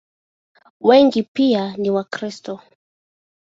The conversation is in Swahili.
Wengi pia ni Wakristo.